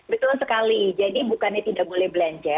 betul sekali jadi bukannya tidak boleh belanja